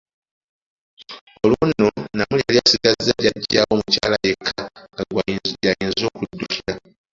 Olwo nno, Namuli yali asigaza jjaja we omukyala yekka nga gy'ayinza okuddukira.